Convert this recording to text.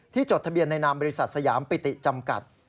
จดทะเบียนในนามบริษัทสยามปิติจำกัด